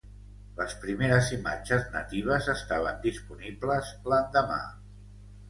Les primeres imatges natives estaven disponibles l'endemà.